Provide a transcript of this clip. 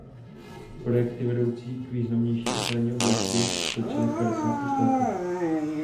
Projekty vedoucí k významnější ochraně oblasti začaly v padesátých letech.